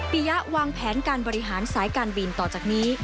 ยะวางแผนการบริหารสายการบินต่อจากนี้